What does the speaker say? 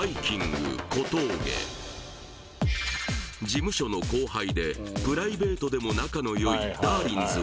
事務所の後輩でプライベートでも仲のよいだーりんず・